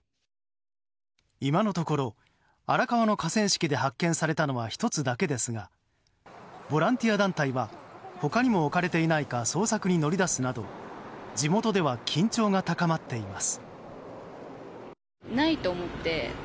今のところ荒川の河川敷で発見されたのは１つだけですがボランティア団体は他にも置かれていないか捜索に乗り出すなど地元では緊張が高まっています。